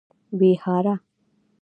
ويهاره